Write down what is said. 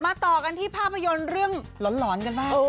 ต่อกันที่ภาพยนตร์เรื่องหลอนกันบ้าง